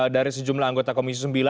dari sejumlah anggota komisi sembilan